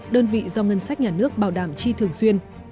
đơn vị do ngân sách nhà nước bảo đảm chi thường xuyên